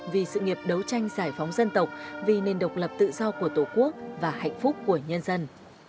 vì sự nghiệp đấu tranh giải phóng dân tộc vì nền độc lập tự do của tổ quốc và hạnh phúc của nhân dân